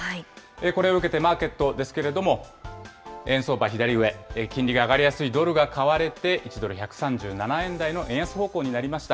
これを受けてマーケットですけれども、円相場、左上、金利が上がりやすいドルが買われて、１ドル１３７円台の円安方向になりました。